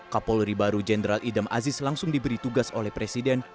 kapolri baru jenderal idam aziz langsung diberi tugas oleh presiden